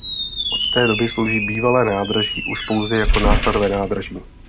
Od té doby slouží bývalé nádraží už pouze jako nákladové nádraží.